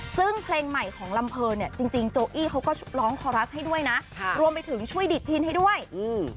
ซึ่งเพลงใหม่ของลำเพอร์เนี้ยจริงจริงโจอี้เขาก็ร้องคอรัสให้ด้วยนะค่ะรวมไปถึงช่วยดิดพินให้ด้วยอืม